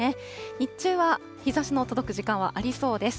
日中は日ざしの届く時間はありそうです。